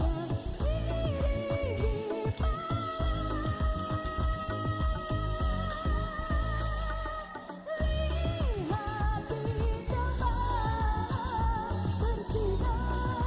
wanlahi angin menanggung tawar dan jambang bayang